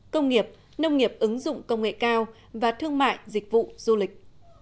công nghiệp nông nghiệp ứng dụng công nghệ cao và thương mại dịch vụ du lịch